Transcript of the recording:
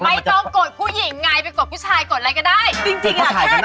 ไม่ต้องกดผู้หญิงไงไปกดผู้ชายกดอะไรก็ได้